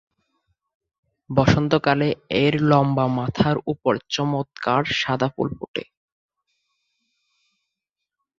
বসন্তকালে এর লম্বা মাথার ওপর চমৎকার সাদা ফুল ফোটে।